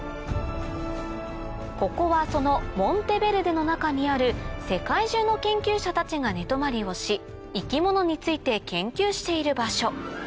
ここはそのモンテベルデの中にある世界中の研究者たちが寝泊まりをし生き物について研究している場所